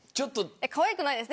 かわいくないです。